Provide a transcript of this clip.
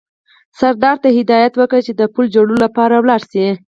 سردار ته هدایت وکړ چې د پل جوړولو لپاره ولاړ شي.